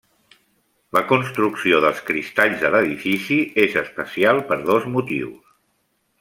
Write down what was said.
La construcció dels cristalls de l'edifici és especial per dos motius.